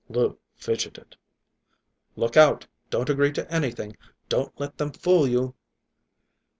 Lou fidgeted. "Look out! Don't agree to anything. Don't let them fool you."